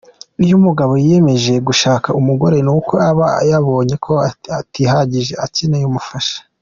Iyo umugabo yiyemeje gushaka umugore ni uko aba yabonye ko atihagije akeneye umufasha.